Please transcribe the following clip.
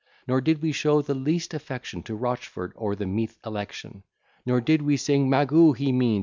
Nor did we show the least affection To Rochford or the Meath election; Nor did we sing, 'Machugh he means.'"